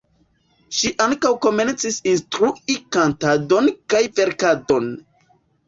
Ŝi ankaŭ komencis instrui kantadon kaj verkadon.